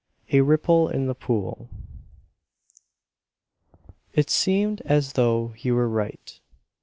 X A RIPPLE IN THE POOL It seemed as though he were right.